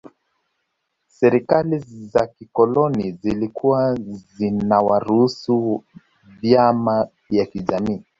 Serikali za kikoloni zilikuwa zinaruhusu vyama vya kijamii